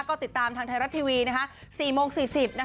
ก็ติดตามทางไทยรัฐทีวีนะคะ๔โมง๔๐นะคะ